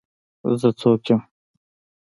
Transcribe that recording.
زه څوک یم.